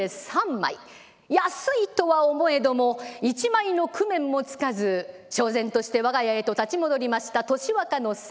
安いとは思えども一枚の工面もつかず悄然として我が家へと立ち戻りました年若の侍。